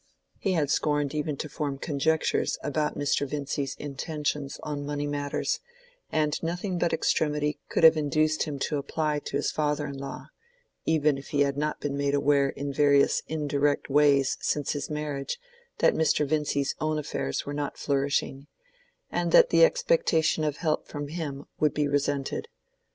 He had scorned even to form conjectures about Mr. Vincy's intentions on money matters, and nothing but extremity could have induced him to apply to his father in law, even if he had not been made aware in various indirect ways since his marriage that Mr. Vincy's own affairs were not flourishing, and that the expectation of help from him would be resented.